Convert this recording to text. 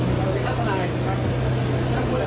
เห้ยเนี่ยชิ้นสวิทธิ์